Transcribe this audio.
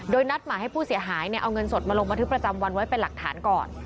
โดยนัดหมายให้ผู้เสียหายเอาเงินสดมาลงบันทึกประจำวันไว้เป็นหลักฐานก่อน